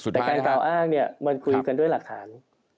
แต่การเตาอ้างมันคุยกันด้วยหลักฐาน